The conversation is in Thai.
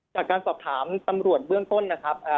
จากการสอบถามตำรวจเบื้องต้นนะครับ